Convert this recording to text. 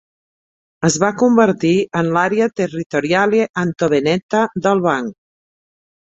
Es va convertir en l'"Area Territoriale Antonveneta" del banc.